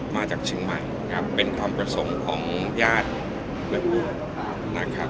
มาจากชิงใหม่เป็นความผสมของญาติเวียบุรุษ